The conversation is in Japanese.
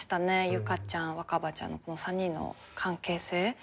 結佳ちゃん若葉ちゃんのこの３人の関係性。